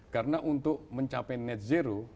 karena untuk mencapai net zero